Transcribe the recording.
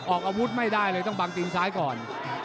ออกอาวุธไม่ได้เลยต้องบังตีนซ้ายก่อน